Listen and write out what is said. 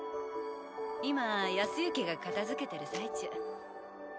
今靖幸が片づけてる最中。